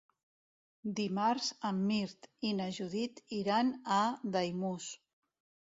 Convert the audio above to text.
Dimarts en Mirt i na Judit iran a Daimús.